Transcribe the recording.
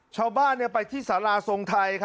ชาวบ้านไปที่สาราทรงไทย